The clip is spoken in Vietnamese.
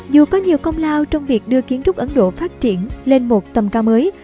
dù có nhiều công lao trong việc đưa kiến trúc ấn độ phát triển lên một tầm cao mới